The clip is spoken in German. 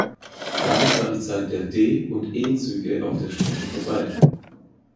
Damit war die Zeit der D- und E-Züge auf der Strecke vorbei.